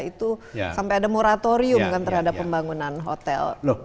itu sampai ada moratorium kan terhadap pembangunan hotel